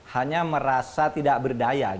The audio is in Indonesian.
hanya merasa tidak berdaya